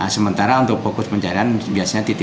sementara untuk fokus pencarian biasanya titik